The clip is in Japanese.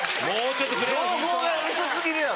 情報が薄過ぎるやろ！